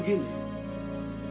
aku sudah selesai